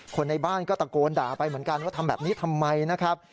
คนในบ้านก็ตะโกนด่าไปเหมือนกันว่าทำแบบนี้ทำไมนะครับ